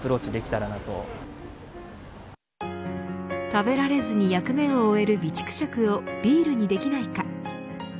食べられずに役目を終える備蓄食をビールにできないか。